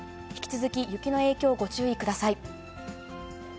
引き続き雪の影響、ご注意ください。